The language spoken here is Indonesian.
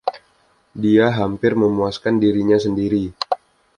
Dia hampir memuaskan dirinya sendiri.